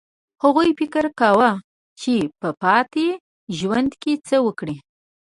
هغوی فکر کاوه چې په پاتې ژوند کې څه وکړي